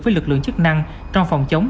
với lực lượng chức năng trong phòng chống